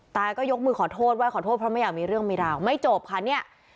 ก็ยกมือขอโทษไห้ขอโทษเพราะไม่อยากมีเรื่องมีราวไม่จบค่ะเนี่ย